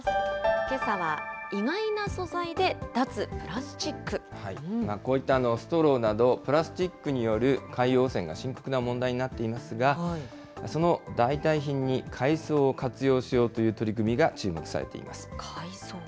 けさは意外な素材で脱プラスチッこういったストローなど、プラスチックによる海洋汚染が深刻な問題になっていますが、その代替品に海藻を活用しようという取り組みが注目されています。